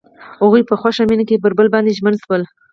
هغوی په خوښ مینه کې پر بل باندې ژمن شول.